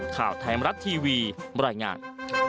ข่าวไทยมรัฐทีวีบรรยายงาน